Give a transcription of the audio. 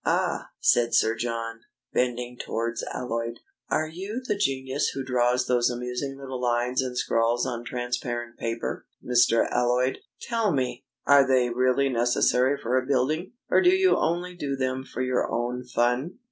"Ah!" said Sir John, bending towards Alloyd. "Are you the genius who draws those amusing little lines and scrawls on transparent paper, Mr. Alloyd? Tell me, are they really necessary for a building, or do you only do them for your own fun?